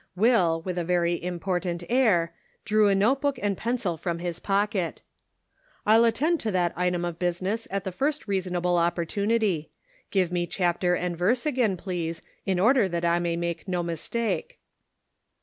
Will, with a very important air, drew a note book and pencil from his pocket. "I'll attend to that item of business at the first reasonable opportunity. Give me chapter and verse again, please, in order that I may make no mistake."